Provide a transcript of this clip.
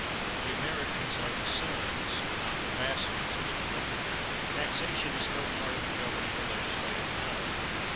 The Americans are the sons, not the bastards, of England ! Taxation is no part of the governing or legislative power.